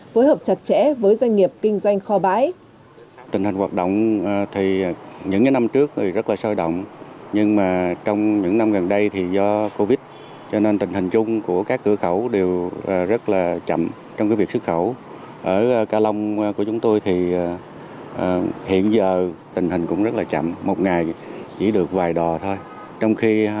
phối hợp chặt chẽ với doanh nghiệp kinh doanh kho bãi